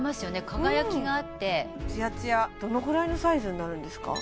輝きがあってツヤツヤどのぐらいのサイズになるんですか？